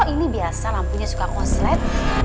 ini biasa lampunya suka koslet